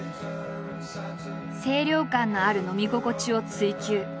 清涼感のある飲み心地を追求。